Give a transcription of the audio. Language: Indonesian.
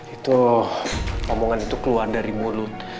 itu omongan itu keluar dari mulut